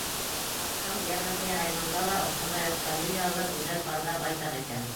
Баҡһаң, Йәрмәкәй районында ла ошондай уҡ фамилиялы гүзәл парҙар байтаҡ икән.